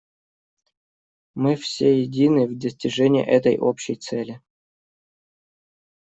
Мы все едины в достижении этой общей цели.